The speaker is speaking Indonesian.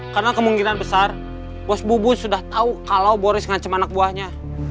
karena kemungkinan besar bos bubu sudah tahu kalau boris ngancam anak buahnya